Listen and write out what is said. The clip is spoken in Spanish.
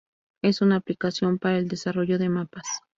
Es una aplicación para el desarrollo de mapas.